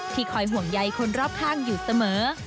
คอยห่วงใยคนรอบข้างอยู่เสมอ